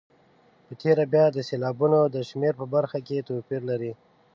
په تېره بیا د سېلابونو د شمېر په برخه کې توپیر لري.